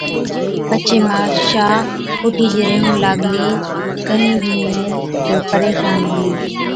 پڇي ماشا اُٺِيچ ريهُون لاگلِي۔ ڪهِين ڏِيهِين تہ پريشان هُلِي